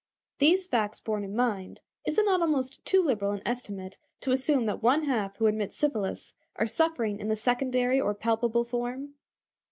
These facts borne in mind, is it not almost too liberal an estimate to assume that one half who admit syphilis are suffering in the secondary or palpable form?